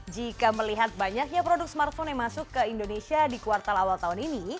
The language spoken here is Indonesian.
jika melihat banyaknya produk smartphone yang masuk ke indonesia di kuartal awal tahun ini